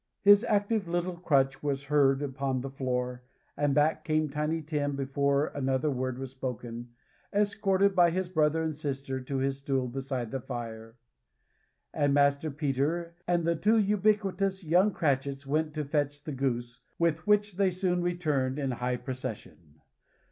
His active little crutch was heard upon the floor, and back came Tiny Tim before another word was spoken, escorted by his brother and sister to his stool beside the fire; and Master Peter and the two ubiquitous young Cratchits went to fetch the goose, with which they soon returned in high procession.